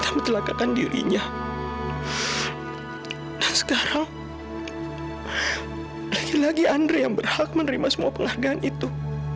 tapi tetap saja gak ada orang yang bisa terima aku